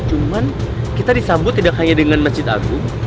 cuma kita disambut tidak hanya dengan mesjid agung